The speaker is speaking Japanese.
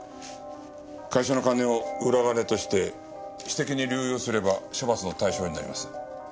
会社の金を裏金として私的に流用すれば処罰の対象になります。